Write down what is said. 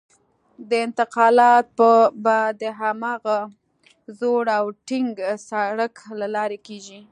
دا انتقالات به د هماغه زوړ او تنګ سړک له لارې کېږي.